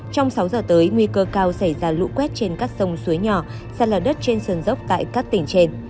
trong sáu giờ tới nguy cơ cao xảy ra lũ quét trên các sông suối nhỏ sạt lở đất trên sườn dốc tại các tỉnh trên